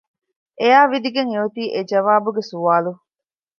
އެއާ ވިދިގެން އެ އޮތީ އެ ޖަވާބުގެ ސުވާލު